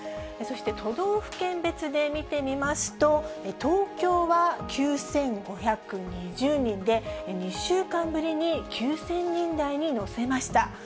そして都道府県別で見てみますと、東京は９５２０人で、２週間ぶりに９０００人台に乗せました。